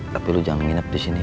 tapi lu jangan nginep disini ya